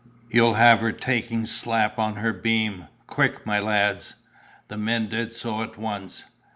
You'll have her taken slap on her beam: quick, my lads!' The men did so at once.